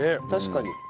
確かに。